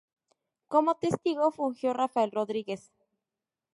Como testigo fungió Rafael Rodríguez.